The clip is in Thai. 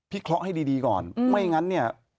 เคราะห์ให้ดีก่อนไม่งั้นเนี่ย